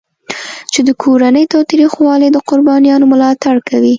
چې د کورني تاوتریخوالي د قربانیانو ملاتړ کوي.